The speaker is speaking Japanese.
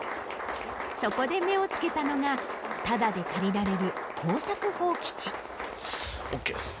そこで目をつけたのがタダで借りられるオッケーです。